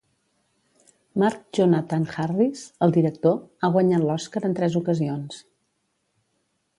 Mark Jonathan Harris, el director, ha guanyat l'Oscar en tres ocasions.